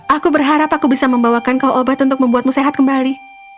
aku berharap aku bisa membawakan kau obat untuk membuatmu sehat kembali